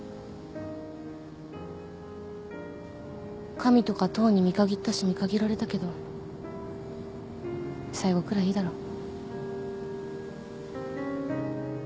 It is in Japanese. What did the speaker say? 神とかとうに見限ったし見限られたけど最後くらいいいだろう。